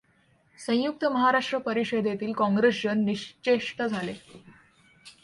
संयुक्त महाराष्ट्र परिषदेतील काँग्रेसजन निश्चेष्ट झाले.